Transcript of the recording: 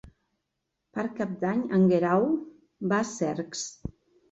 Per Cap d'Any en Guerau va a Cercs.